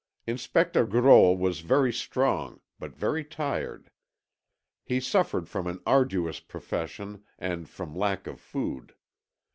Inspector Grolle was very strong, but very tired. He suffered from an arduous profession and from lack of food.